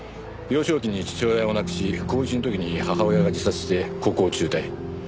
幼少期に父親を亡くし高１の時に母親が自殺して高校を中退。